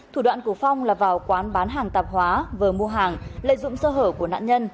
thủ đoạn của phong là vào quán bán hàng tạp hóa vờ mua hàng lợi dụng sơ hở của nạn nhân